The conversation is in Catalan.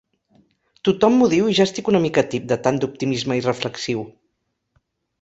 Tothom m'ho diu i ja estic una mica tip de tant d'optimisme irreflexiu.